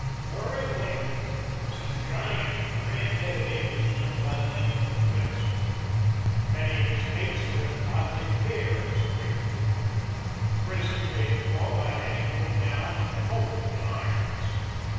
The ringleader was a giant, red headed Englishman by the name of Webster. Many of his mates were in bodily fear of this great brute. The prison being full, I had him put down in the hold in irons.